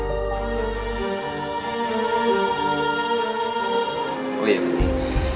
oh ya benih